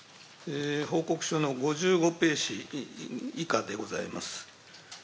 報告書の５５ページ以下でございます。